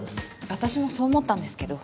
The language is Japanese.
私もそう思ったんですけど。